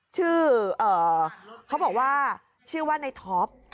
ชื่อเขาบอกว่าชื่อว่าในท็อป